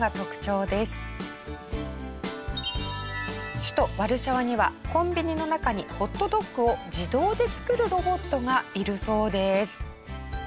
首都ワルシャワにはコンビニの中にホットドッグを自動で作るロボットがいるそうです。